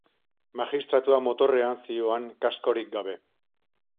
Magistratua motorrean zihoan, kaskorik gabe.